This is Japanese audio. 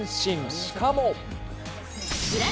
しかも。